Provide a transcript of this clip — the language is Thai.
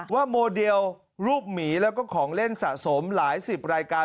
โมเดลรูปหมีแล้วก็ของเล่นสะสมหลายสิบรายการ